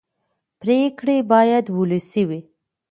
پرېکړې باید ولسي وي